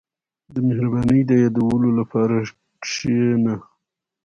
• د مهربانۍ د یادولو لپاره کښېنه.